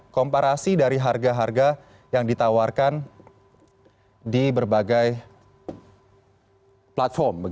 komparasi dari harga harga yang ditawarkan di berbagai platform